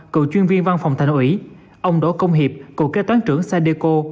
cựu chuyên viên văn phòng thành ủy ông đỗ công hiệp cựu kế toán trưởng sadeco